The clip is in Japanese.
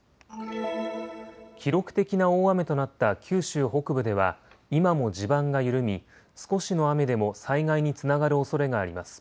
記録的な大雨となった九州北部では今も地盤が緩み少しの雨でも災害につながるおそれがあります。